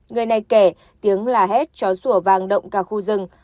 người này kể tiếng là hét cho sủa vàng động cả khu rừng